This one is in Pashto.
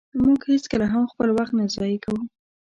مونږ هيڅکله هم خپل وخت نه ضایع کوو.